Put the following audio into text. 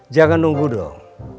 jangan nunggu dong